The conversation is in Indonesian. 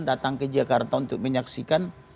datang ke jakarta untuk menyaksikan